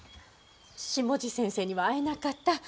下地先生には会えなかった。